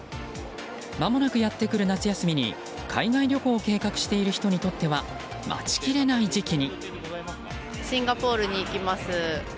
間もなくやってくる夏休みに海外旅行を計画している人にとっては待ちきれない時期に。